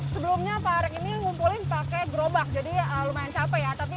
sebelumnya pak arek ini ngumpulin pakai gerobak jadi lumayan capek ya